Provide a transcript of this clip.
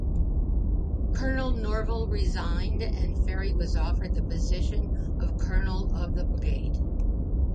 Colonel Norvell resigned and Ferry was offered the position of Colonel of the Brigade.